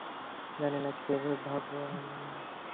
জানিনা কীভাবে, ভবানী।